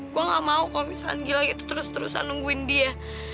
gue gak mau kalo misalkan gilang itu terus terusan nungguin dia